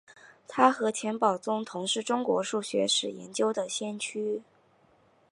他和钱宝琮同是中国数学史研究的先驱。